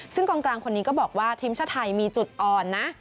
ซึ่งกองกลางคนนี้ก็บอกว่าทีมชาติไทยมีจุดอ่อนนะ